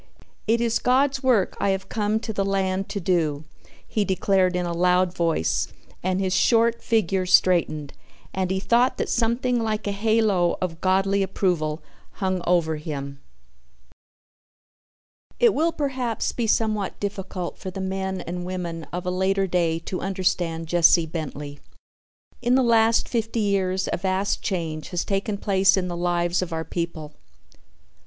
"It is God's work I have come to the land to do," he declared in a loud voice and his short figure straightened and he thought that something like a halo of Godly approval hung over him. It will perhaps be somewhat difficult for the men and women of a later day to understand Jesse Bentley. In the last fifty years a vast change has taken place in the lives of our people.